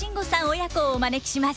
親子をお招きします。